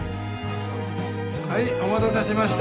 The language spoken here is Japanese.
はいお待たせしました。